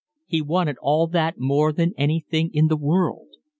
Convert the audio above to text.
He wanted all that more than anything in the world.